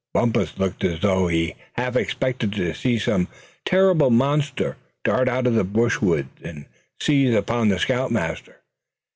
Bumpus looked as though he half expected to see some terrible monster dart out of the brushwood, and seize upon the scout master.